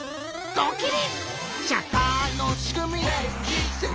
ドキリ！